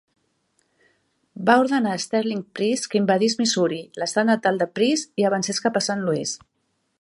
Va ordenar Sterling Price que invadís Missouri, l'estat natal de Price, i avancés cap a Sant Louis.